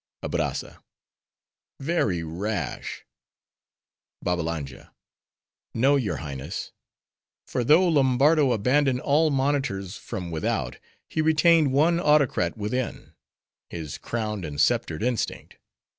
ABRAZZA—Very rash! BABBALANJA—No, your Highness; for though Lombardo abandoned all monitors from without; he retained one autocrat within—his crowned and sceptered instinct.